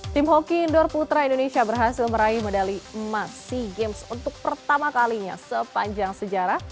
tim hoki indoor putra indonesia berhasil meraih medali emas sea games untuk pertama kalinya sepanjang sejarah